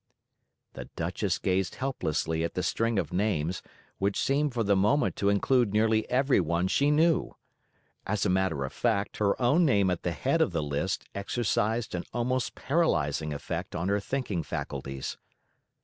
The Duchess gazed helplessly at the string of names, which seemed for the moment to include nearly every one she knew. As a matter of fact, her own name at the head of the list exercised an almost paralysing effect on her thinking faculties.